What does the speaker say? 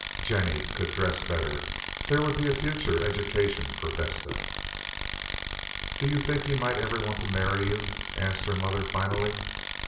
Jennie could dress better; there would be a future education for Vesta. "Do you think he might ever want to marry you?" asked her mother finally.